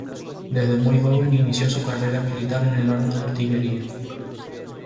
Desde muy joven inició su carrera militar en el arma de artillería.